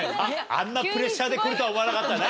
あんなプレッシャーでくるとは思わなかったな。